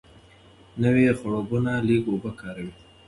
نوې خړوبونه لږه اوبه کاروي.